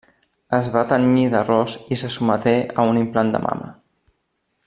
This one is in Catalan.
Es va tenyir de ros i se sotmeté a un implant de mama.